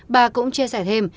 bà cũng chia sẻ thêm